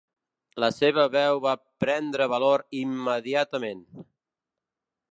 La seva veu va prendre valor immediatament.